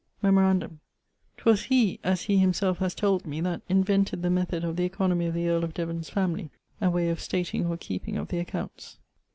Memorandum 'twas he (as he him selfe haz told me) that the method of the oeconomie of the earle of Devon's family and way of stating or keeping of the accounts.